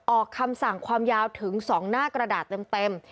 ออกคำสั่งความยาวถึง๒หน้ากระดาษเต็ม